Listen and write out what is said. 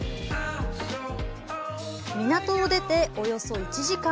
港を出て、およそ１時間。